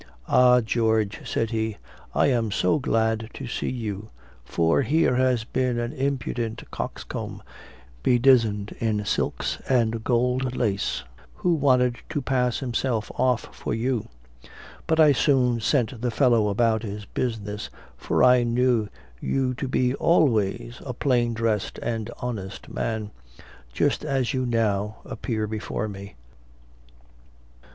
"Ah, George," said he, "I am so glad to see you, for here has been an impudent coxcomb, bedizened in silks and gold lace, who wanted to pass himself off for you; but I soon sent the fellow about his business; for I knew you to be always a plain dressed and honest man, just as you now appear before me."